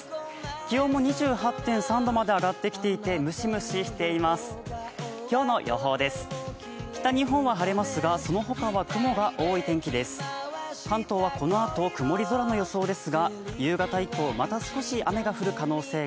気温も２８．３度まで上がってきていて、蒸し蒸ししています。